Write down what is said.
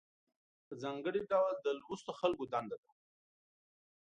په ځانګړي ډول د لوستو خلکو دنده ده.